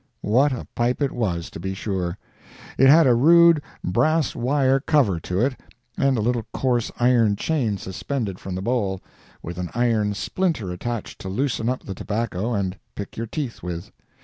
What a pipe it was, to be sure! It had a rude brass wire cover to it, and a little coarse iron chain suspended from the bowl, with an iron splinter attached to loosen up the tobacco and pick your teeth with.